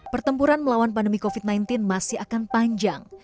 pertempuran melawan pandemi covid sembilan belas masih akan panjang